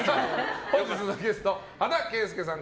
本日のゲスト、羽田圭介さん